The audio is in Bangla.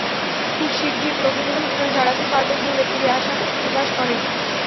খুব শিগগির প্রকৃত ঘটনা জানাতে পারবেন বলে তিনি আশা প্রকাশ করেন।